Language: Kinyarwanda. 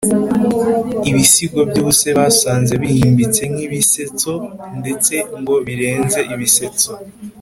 ibisigo by’ubuse basanze bihimbitse nk’ibisetso ndetse ngo birenze ibisetso